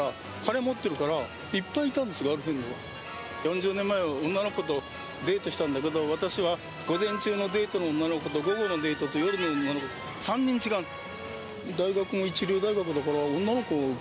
４０年前女の子とデートしたんだけど私は午前中のデートの女の子と午後のデートと夜の女の子と３人、違うんです。